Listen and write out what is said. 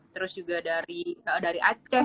terus juga dari aceh